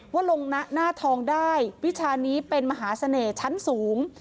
ลงหน้าทองได้วิชานี้เป็นมหาเสน่ห์ชั้นสูง